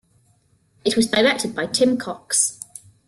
It was directed by Tim Cox.